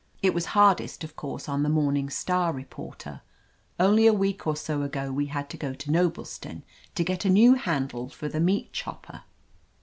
It was hardest, of course, on the Morn ing Star reporter. Only a week or so ago we had to go to Noblestown to get a new handle for the meat chopper.